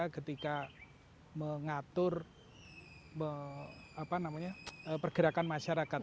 ketika mengatur pergerakan masyarakat